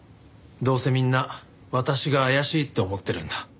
どうせみんな私が怪しいって思ってるんだ。